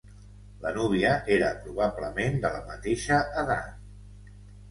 La núvia era probablement de la mateixa edat.